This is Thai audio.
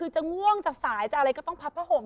คือจะง่วงจะสายจะอะไรก็ต้องพับผ้าห่ม